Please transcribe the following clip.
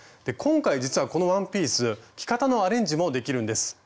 今回実はこのワンピース着方のアレンジもできるんです。